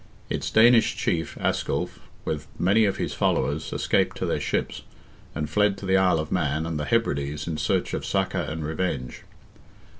Its Danish chief, Asculph, with many of his followers, escaped to their ships, and fled to the Isle of Man and the Hebrides in search of succour and revenge.